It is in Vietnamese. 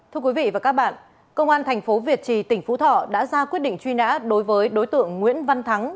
thưa quý vị và các bạn công an thành phố việt trì tỉnh phú thọ đã ra quyết định truy nã đối với đối tượng nguyễn văn thắng